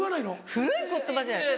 古い言葉じゃないですか？